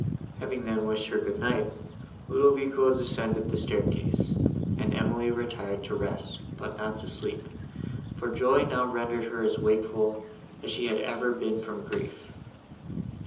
Having then wished her good night, Ludovico descended the staircase, and Emily retired to rest, but not to sleep, for joy now rendered her as wakeful, as she had ever been from grief.